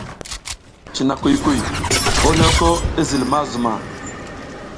Cina kuy kuy, oryoko i zil ma zuma.